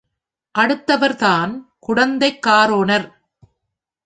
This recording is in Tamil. அடுத்தவர் தான் குடந்தைக் காரோணர்.